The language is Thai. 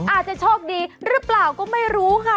อาจจะโชคดีหรือเปล่าก็ไม่รู้ค่ะ